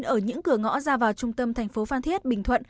ở những cửa ngõ ra vào trung tâm tp phan thiết bình thuận